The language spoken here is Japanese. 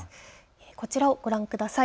こちらをご覧ください。